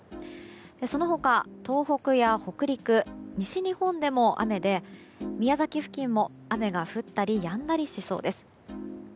その他、東北や北陸西日本でも雨で宮崎付近も雨が降ったりやんだりしそうです。